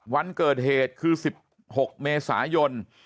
วันเกิดเหตุคือ๑๖เมษายน